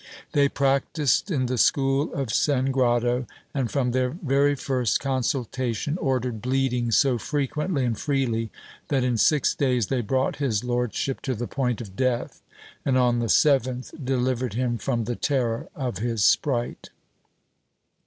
They practised in the school of San grado, and from their very first consultation, ordered bleeding so frequently and freely, that in six days they brought his lordship to the point of death, and on the seventh delivered him from the terror of his sprite.